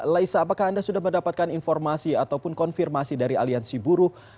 laisa apakah anda sudah mendapatkan informasi ataupun konfirmasi dari aliansi buruh